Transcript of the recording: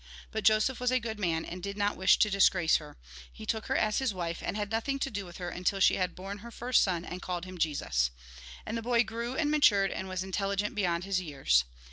But Joseph was a good man, and did not wish to disgrace her ; he took her as his wife, and had nothing to do with her until she had borne her first son, and called him Jesus. And the boy grew and matured, and was intel ligent beyond his years.